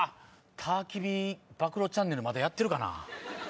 『ターキビ暴露ｃｈ』まだやってるかな。